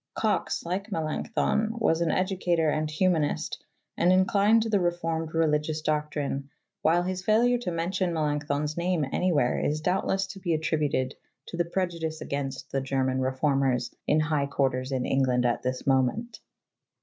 Cox, like Melanchthon, was an educator and humanist, and inclined to the reformed religious doctrine, while his failure to mention Melanchthon's name anywhere is doubtless to be attributed to the prejudice against the German reformers in high quarters in England at this moment.